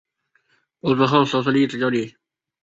播出后收视率一直较低。